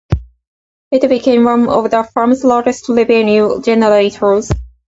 It became one of the firm's largest revenue generators.